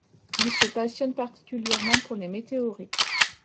Il se passionne particulièrement pour les météorites.